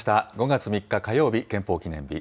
５月３日火曜日、憲法記念日。